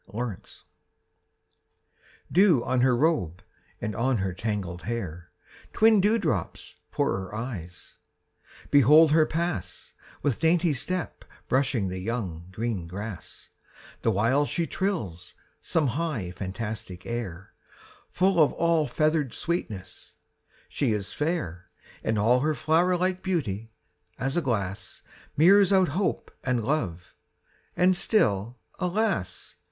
MY LADY APRIL Dew on her robe and on her tangled hair; Twin dewdrops for her eyes; behold her pass, With dainty step brushing the young, green grass, The while she trills some high, fantastic air, Full of all feathered sweetness: she is fair, And all her flower like beauty, as a glass, Mirrors out hope and love: and still, alas!